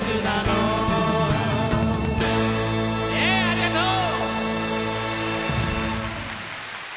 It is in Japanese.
ありがとう！